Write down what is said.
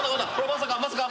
まさかまさか。